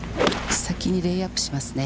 先にレイアップしますね。